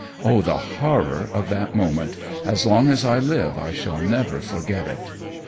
Oh, the horror of that moment, as long as I live I shall never forget it.